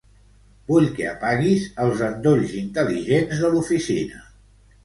Vull que apaguis els endolls intel·ligents de l'oficina.